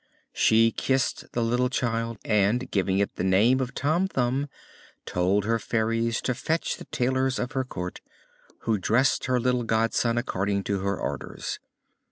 She kissed the little child, and, giving it the name of Tom Thumb, told her fairies to fetch the tailors of her Court, who dressed her little godson according to her orders.